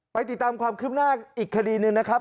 ติดตามความคืบหน้าอีกคดีหนึ่งนะครับ